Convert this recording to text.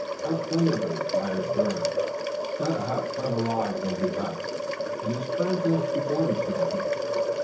How splendidly the fires burn! Not a hut, not a lodge will be left!" "And it's time for us to be going," said the hunter.